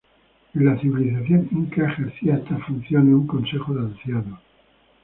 En la civilización inca ejercía esas funciones un consejo de ancianos.